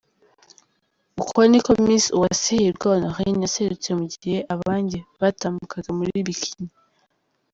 Uku ni ko Miss Uwase Hirwa Honorine yaserutse mu gihe abandi batambukaga muri Bikini.